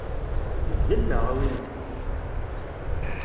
D zzella, a winnat!